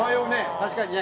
確かにね。